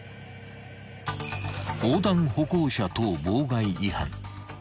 ［横断歩行者等妨害違反］